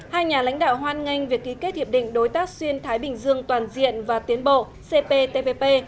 hai nhà lãnh đạo hoan nghênh việc ký kết hiệp định đối tác xuyên thái bình dương toàn diện và tiến bộ cptpp